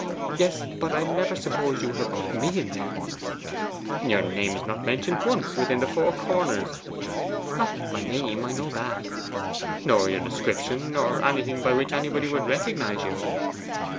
'Yes, but I never supposed you would have put me there.' 'Your name is not mentioned once within the four corners.' 'Not my name I know that.' 'Nor your description, nor anything by which anybody would recognize you.